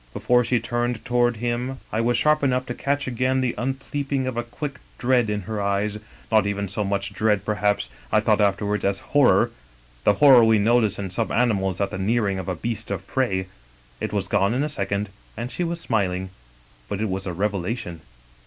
Before she turned toward him I was sharp enough to catch again the upleaping of a quick dread in her eyes, not even so much dread perhaps, I thought afterwards, as horror — ^the horror we notice in some animals at the nearing of a beast of prey. It was gone in a second, and she was smiling. But it was a revelation.